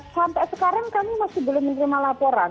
sampai sekarang kami masih belum menerima laporan